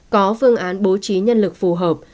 có phương án bố trí nhân lực phù hợp